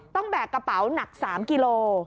แบกกระเป๋าหนัก๓กิโล